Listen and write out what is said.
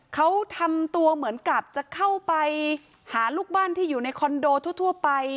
เขาทำตัวเหมือนกับจะเข้าไปหาลูกบ้านที่อยู่ในคอนโดทั่วไป